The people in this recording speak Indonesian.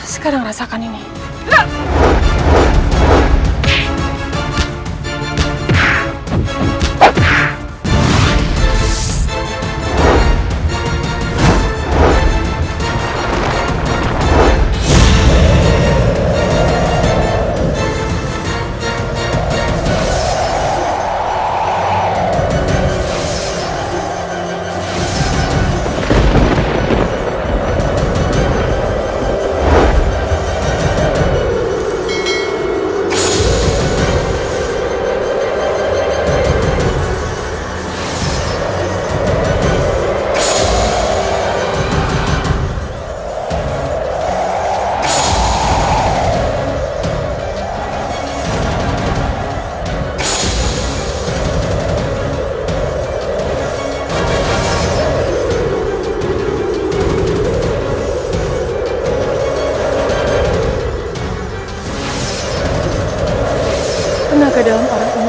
sekarang katakan padaku